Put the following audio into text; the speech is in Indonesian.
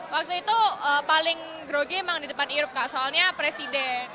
waktu itu paling grogi emang di depan irup kak soalnya presiden